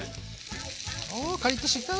おカリッとしてきた！